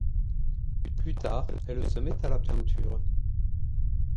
Plus tard elle se met à la peinture.